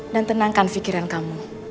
dan tenangkan fikiran kamu